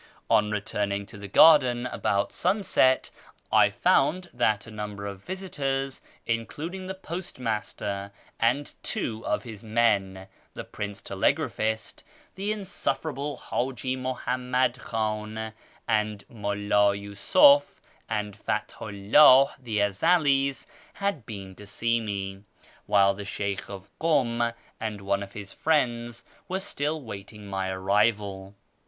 On returning to the garden about sunset I found that a number of visitors, including the postmaster and two of his men, the Prince Telegraphist, the insufferable Haji Muhammad Khan, and Mulki Yiisuf and Fathu 'llah, the Ezelis, had been to see me, while the Sheykh of Kum and one of his friends were still awaiting my arrival.